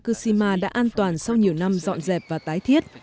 các bãi biển ở fukushima đã an toàn sau nhiều năm dọn dẹp và tái thiết